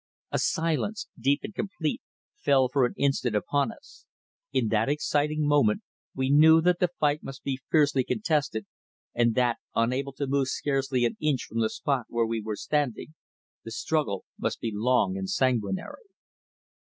A silence, deep and complete, fell for an instant upon us. In that exciting moment we knew that the fight must be fiercely contested, and that, unable to move scarcely an inch from the spot where we were standing, the struggle must be long and sanguinary.